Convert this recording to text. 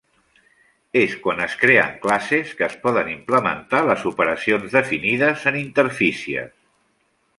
És quan es creen classes que es poden implementar les operacions definides en interfícies.